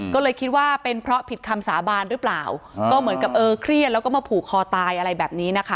ก็เลยคิดว่าเป็นเพราะผิดคำสาบานหรือเปล่าก็เหมือนกับเออเครียดแล้วก็มาผูกคอตายอะไรแบบนี้นะคะ